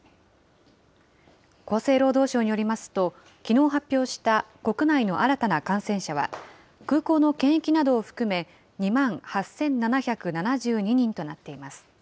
厚生労働省によりますと、きのう発表した国内の新たな感染者は、空港の検疫などを含め、２万８７７２人となっています。